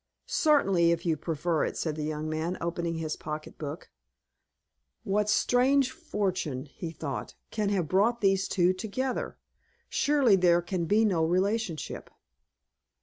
"Certainly, if you prefer it," said the young man, opening his pocket book. "What strange fortune," he thought, "can have brought these two together? Surely there can be no relationship."